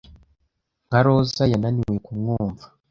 nka roza yananiwe kumwumva